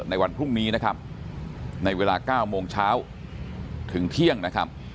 ในวันพรุ่งนี้ไว้เก้าโมงเช้าถึงเที่ยงค่ะ